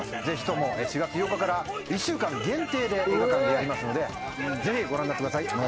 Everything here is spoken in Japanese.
ぜひとも４月８日から１週間限定で映画館でやりますのでぜひご覧になってください。